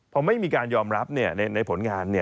พอไม่มีการยอมรับในผลงาน